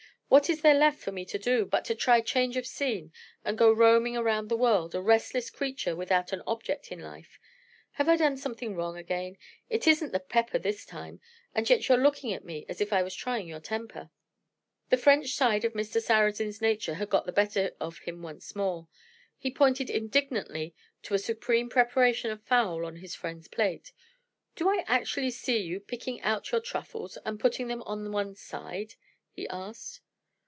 What is there left for me to do, but to try change of scene, and go roaming around the world, a restless creature without an object in life? Have I done something wrong again? It isn't the pepper this time and yet you're looking at me as if I was trying your temper." The French side of Mr. Sarrazin's nature had got the better of him once more. He pointed indignantly to a supreme preparation of fowl on his friend's plate. "Do I actually see you picking out your truffles, and putting them on one side?" he asked.